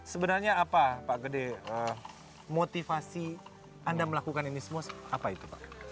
sebenarnya apa pak gede motivasi anda melakukan ini semua apa itu pak